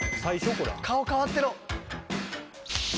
これ顔変わってろ！